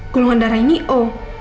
gulungan darah ini o